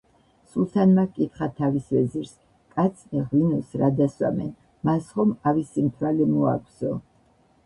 სულთანმა ჰკითხა თავის ვეზირს: კაცნი ღვინოს რადა სვამენ, მას ხომ ავი სიმთვრალე მოაქვსო?